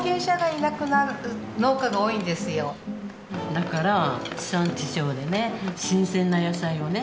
だから地産地消でね新鮮な野菜をね